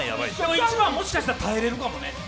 １番、もしかしたら耐えれるかもね。